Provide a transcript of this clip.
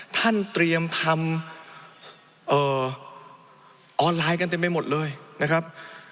ท่านเตรียมทำออนไลน์กันเต็มไปหมดเลยนะครับ